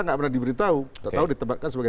nggak pernah diberitahu tidak tahu ditebatkan sebagai